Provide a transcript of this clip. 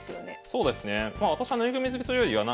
そうですね。